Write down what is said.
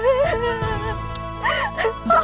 มีพอครองเห็นอะไรครับ